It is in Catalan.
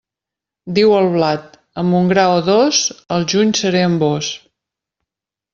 Diu el blat: amb un gra o dos, al juny seré amb vós.